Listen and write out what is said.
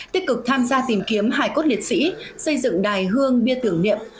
tích cực tham gia tìm kiếm hải cốt liệt sĩ xây dựng đài hương bia tưởng niệm